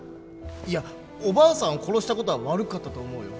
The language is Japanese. いやおばあさんを殺した事は悪かったと思うよ。